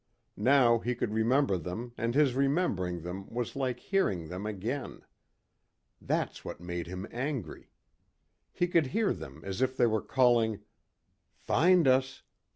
Now he could remember them and his remembering them was like hearing them again. That's what made him angry. He could hear them as if they were calling, "Find us